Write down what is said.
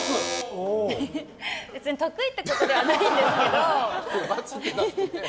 別に得意ってことではないんですけど。